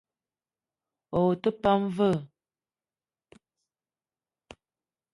Ou te pam vé?